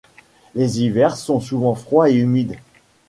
Les hivers sont souvent froids et humides.